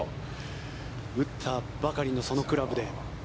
打ったばかりのそのクラブで。